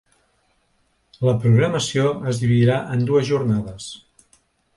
La programació es dividirà en dues jornades.